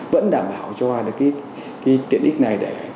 vẫn đảm bảo cho tiện ích này